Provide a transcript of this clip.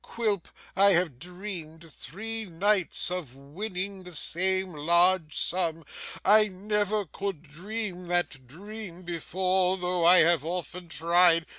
Quilp, I have dreamed, three nights, of winning the same large sum, I never could dream that dream before, though I have often tried.